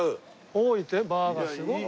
多いってバーがすごく多い。